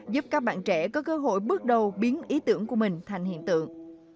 giúp các bạn trẻ có cơ hội bước đầu biến ý tưởng của mình thành hiện tượng